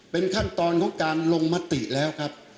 เป็นขั้นตอนของการลงมติแล้วครับ